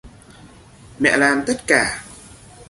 Mẹ làm tất cả